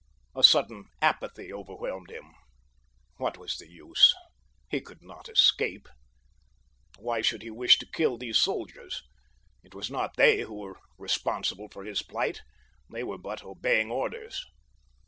A sudden apathy overwhelmed him. What was the use? He could not escape. Why should he wish to kill these soldiers? It was not they who were responsible for his plight—they were but obeying orders.